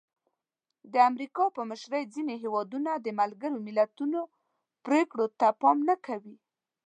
د امریکا په مشرۍ ځینې هېوادونه د ملګرو ملتونو پرېکړو ته پام نه کوي.